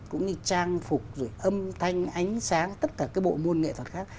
cũng như trang phục rồi âm thanh ánh sáng tất cả cái bộ môn nghệ thuật khác